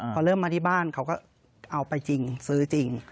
พอเริ่มมาที่บ้านเขาก็เอาไปจริงซื้อจริง